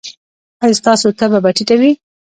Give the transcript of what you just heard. ایا ستاسو تبه به ټیټه وي؟